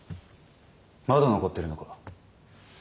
まだ残ってるのか。